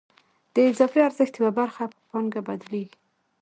د اضافي ارزښت یوه برخه په پانګه بدلېږي